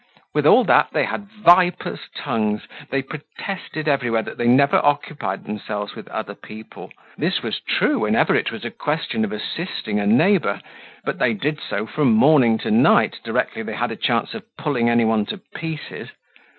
With all that they had vipers' tongues. They protested everywhere that they never occupied themselves with other people. This was true whenever it was a question of assisting a neighbor; but they did so from morning to night, directly they had a chance of pulling any one to pieces.